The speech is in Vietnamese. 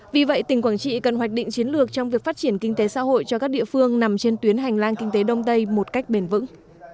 vì vậy tỉnh quảng trị cần hoạch định chiến lược trong việc phát triển kinh tế xã hội cho các địa phương nằm trên tuyến hành lang kinh tế đông tây một cách bền vững